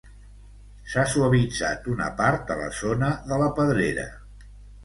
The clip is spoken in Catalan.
S'ha suavitzat una part de la zona de la pedrera.